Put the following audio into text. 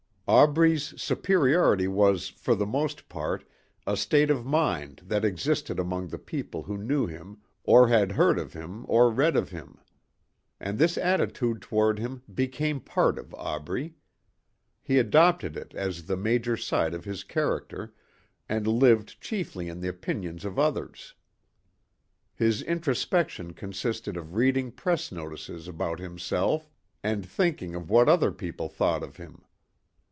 Aubrey's superiority was, for the most part, a state of mind that existed among the people who knew him or had heard of him or read of him. And this attitude toward him became part of Aubrey. He adopted it as the major side of his character and lived chiefly in the opinions of others. His introspection consisted of reading press notices about himself and thinking of what other people thought of him.